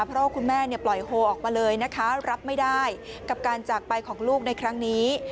เพราะว่าคุณแม่ปล่อยโฮออกมาเลยนะคะรับไม่ได้กับการจากไปของลูกในครั้งนี้